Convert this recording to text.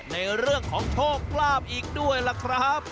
ในเรื่องของโชคลาภอีกด้วยล่ะครับ